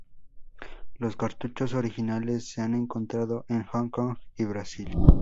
Los cartuchos originales se han encontrado en Hong Kong y Brasil.